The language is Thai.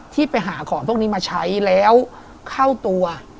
ที่ไปหาของพวกนี้มาใช้แล้วเข้าตัว